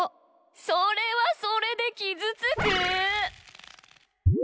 それはそれできずつく！